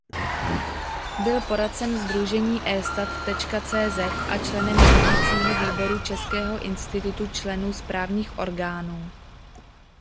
Byl poradcem sdružení eStat.cz a členem řídícího výboru Českého institutu členů správních orgánů.